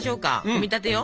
組み立てよ。